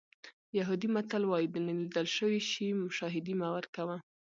یهودي متل وایي د نه لیدل شوي شي شاهدي مه ورکوه.